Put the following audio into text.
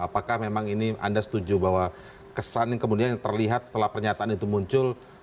apakah memang ini anda setuju bahwa kesan yang kemudian terlihat setelah pernyataan itu muncul